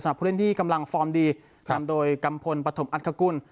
สำหรับผู้เล่นที่กำลังฟอร์มดีครับตามโดยกำพลปฐมอัตภกุล